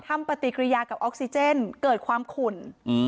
ทำปฏิกิริยากับออกซิเจนเกิดความขุ่น